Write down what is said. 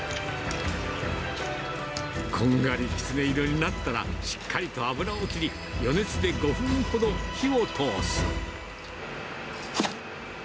こんがりきつね色になったら、しっかりと油を切り、余熱で５分ほど火を通す。